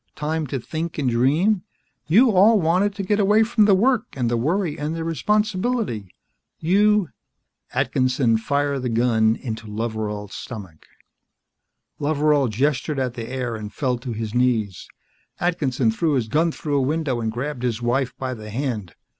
Time to think and dream. You all wanted to get away from the work and the worry and the responsibility. You " Atkinson fired the gun into Loveral's stomach. Loveral gestured at the air and fell to his knees. Atkinson threw his gun through a window and grabbed his wife by the hand.